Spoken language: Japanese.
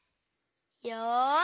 よし！